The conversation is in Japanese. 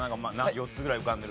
４つぐらい浮かんでるとか。